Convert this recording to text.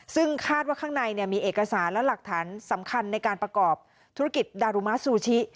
ซึ่งคาดว่าข้างในมีเอกสารและหลักฐานสำคัญในการประกอบธุรกิจดารุมะซูชิ